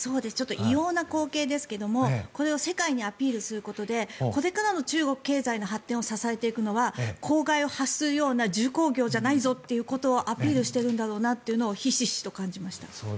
ちょっと異様な光景ですがこれを世界にアピールすることでこれからの中国経済の発展を支えていくのは公害を発するような重工業じゃないぞということをアピールしてるんだろうなというのをひしひしと感じました。